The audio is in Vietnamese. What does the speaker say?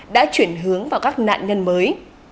đã chuyển hướng vào các nạn nhân mới